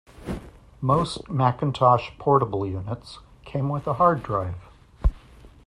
Most Macintosh Portable units came with a hard drive.